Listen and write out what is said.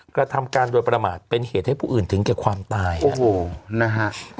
กระทำการโดยประมาทเป็นเหตุให้ผู้อื่นถึงแก่ความตายโอ้โหนะฮะ